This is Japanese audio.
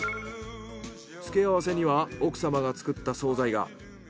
付け合わせには奥様が作った惣菜が。